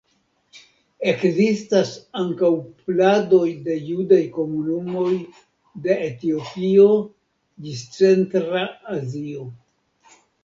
Ekzistas ankaŭ pladoj de judaj komunumoj de Etiopio ĝis Centra Azio.